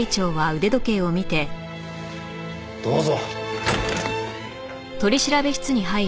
どうぞ。